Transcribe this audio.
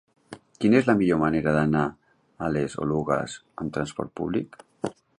Quina és la millor manera d'anar a les Oluges amb trasport públic?